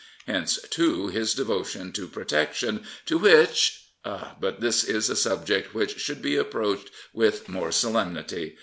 Hence, too, his devotion to Protection, to which But this is a subject which should be approached with more solemnity.